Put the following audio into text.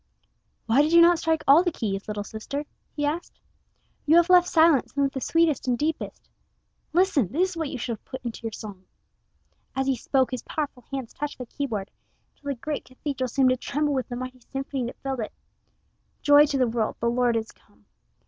"Why did you not strike all the keys, little sister?" he asked. "You have left silent some of the sweetest and deepest. Listen! This is what you should have put into your song." As he spoke, his powerful hands touched the key board, till the great cathedral seemed to tremble with the mighty symphony that filled it "Joy to the world, the Lord is come!"